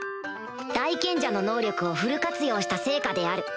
大賢者の能力をフル活用した成果である